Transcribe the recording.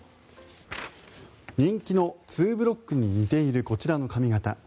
人気のツーブロックに似ているこちらの髪形。